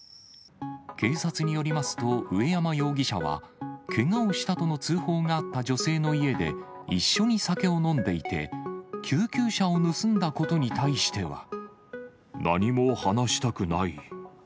警察によりますと、上山容疑者は、けがをしたとの通報があった女性の家で一緒に酒を飲んでいて、救急車を盗んだことに対しては。何も話したくない。